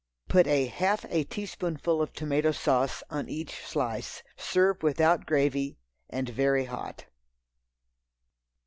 Put a half a teaspoonful of tomato sauce on each slice. Serve without gravy and very hot.